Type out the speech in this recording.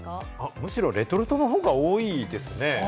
むしろレトルトの方が多いですね。